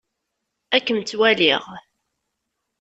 Ad kem-tt-walliɣ.